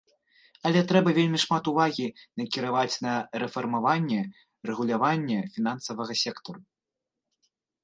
Але трэба вельмі шмат увагі накіраваць на рэфармаванне рэгулявання фінансавага сектару.